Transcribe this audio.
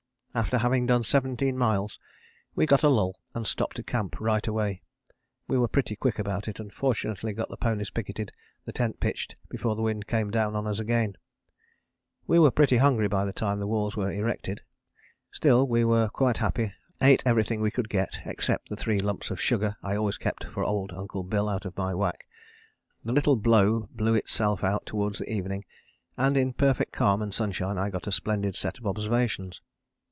After having done seventeen miles we got a lull and stopped to camp right away. We were pretty quick about it, and fortunately got the ponies picketed, and tent pitched, before the wind came down on us again. We were pretty hungry by the time the walls were erected. Still we were quite happy, ate everything we could get, except the three lumps of sugar I always kept for old Uncle Bill out of my whack. The little blow blew itself out towards evening and in perfect calm and sunshine I got a splendid set of observations.